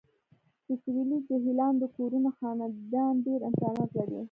د سویلي جهیلونو د کورونو خاوندان ډیر امکانات لري